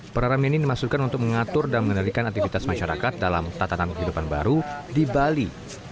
peraram ini dimaksudkan untuk mengatur dan mengendalikan aktivitas masyarakat dalam tatanan kehidupan baru di bali